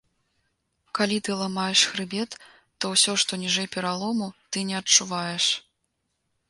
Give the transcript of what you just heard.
Калі ты ламаеш хрыбет, то ўсё, што ніжэй пералому, ты не адчуваеш.